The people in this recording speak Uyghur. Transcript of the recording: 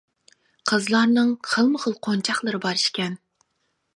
قىزلارنىڭ خىلمۇ - خىل قونچاقلىرى بار ئىكەن.